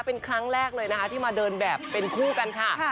เป็นครั้งแรกเลยนะคะที่มาเดินแบบเป็นคู่กันค่ะ